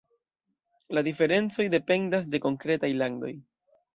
La diferencoj dependas de konkretaj landoj.